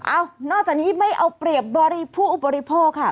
เอ้านอกจากนี้ไม่เอาเปรียบบริผู้บริโภคค่ะ